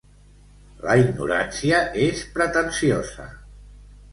La ignorància és pretensiosa.